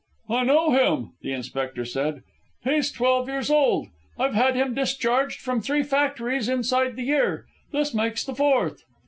"I know him," the inspector said. "He's twelve years old. I've had him discharged from three factories inside the year. This makes the fourth."